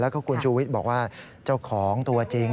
แล้วก็คุณชูวิทย์บอกว่าเจ้าของตัวจริง